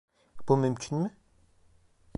Bu mümkün mü?